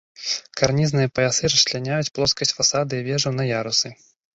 Карнізныя паясы расчляняюць плоскасць фасада і вежаў на ярусы.